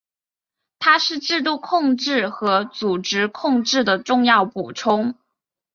它是制度控制和组织控制的重要补充。